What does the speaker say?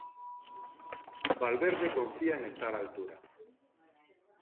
Valverde confía en estar á altura.